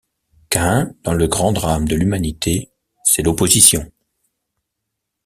Caïn, dans le grand drame de l’Humanité, c’est l’opposition.